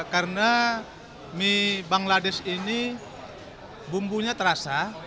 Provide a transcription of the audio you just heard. karena mie bangladesh ini bumbunya terasa